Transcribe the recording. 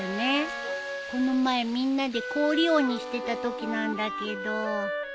この前みんなで氷鬼してたときなんだけど。